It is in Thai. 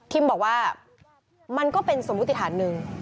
บอกว่ามันก็เป็นสมมุติฐานหนึ่ง